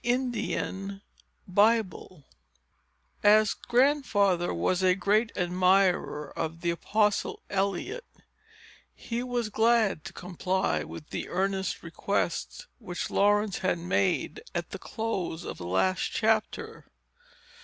Chapter VIII As Grandfather was a great admirer of the Apostle Eliot, he was glad to comply with the earnest request which Laurence had made, at the close of the last chapter.